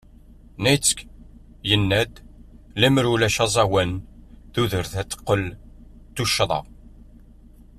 Nietzsche yenna-d: Lemmer ulac aẓawan, tudert ad teqqel d tuccḍa.